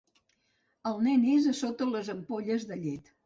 El nen és a sota les ampolles de llet.